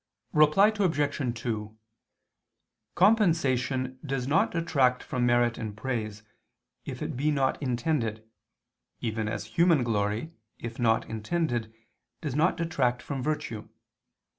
Reply Obj. 2: Compensation does not detract from merit and praise if it be not intended, even as human glory, if not intended, does not detract from virtue.